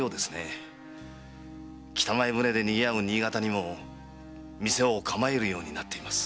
北前船で賑わう新潟にも店を構えるようになっています。